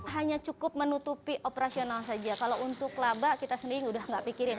hanya cukup menutupi operasional saja kalau untuk laba kita sendiri udah nggak pikirin